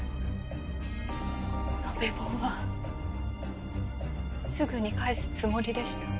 延べ棒はすぐに返すつもりでした。